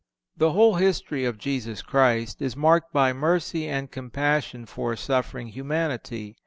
The whole history of Jesus Christ is marked by mercy and compassion for suffering humanity.